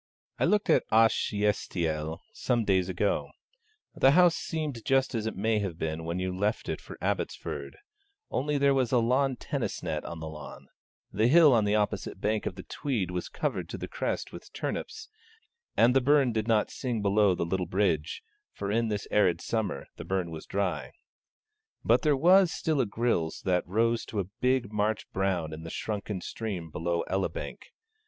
I looked at Ashiestiel some days ago: the house seemed just as it may have been when you left it for Abbotsford, only there was a lawn tennis net on the lawn, the hill on the opposite bank of the Tweed was covered to the crest with turnips, and the burn did not sing below the little bridge, for in this arid summer the burn was dry. But there was still a grilse that rose to a big March brown in the shrunken stream below Elibank.